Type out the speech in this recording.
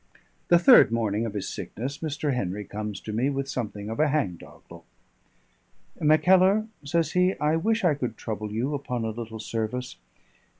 The third morning of his sickness Mr. Henry comes to me with something of a hang dog look. "Mackellar," says he, "I wish I could trouble you upon a little service.